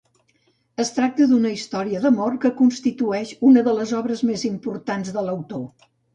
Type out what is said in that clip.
Es tracta d'una història d'amor que constitueix una de les obres més importants de l'autor.